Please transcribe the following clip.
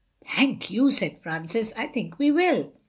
"Thank you," said Francis, "I think we will."